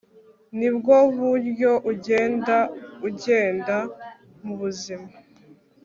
nibwo buryo ugenda ugenda mubuzima